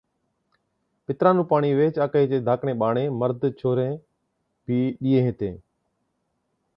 پِتران نُون پاڻِي ويھِچ آڪھِي چين ڌاڪڙين ٻاڙين (مرد، ڇوھرين) بِي ڏِيئَي ھِتين